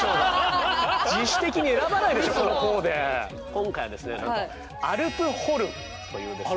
今回ですねなんと「アルプホルン」というですね